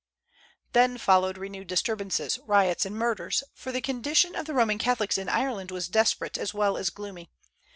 Then followed renewed disturbances, riots, and murders; for the condition of the Roman Catholics in Ireland was desperate as well as gloomy.